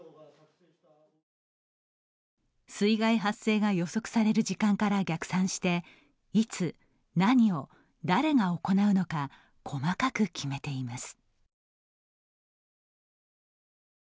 水害発生が予測される時間から逆算していつ、何を、誰が行うのか細かく決めています。